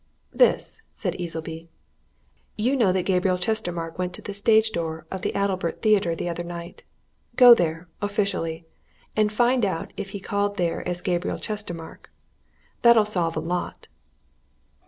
"This," said Easleby. "You know that Gabriel Chestermarke went to the stage door of the Adalbert Theatre the other night. Go there officially and find out if he called there as Gabriel Chestermarke. That'll solve a lot."